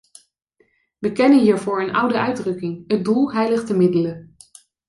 Wij kennen hiervoor een oude uitdrukking: het doel heiligt de middelen.